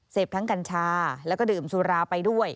ทั้งกัญชาแล้วก็ดื่มสุราไปด้วย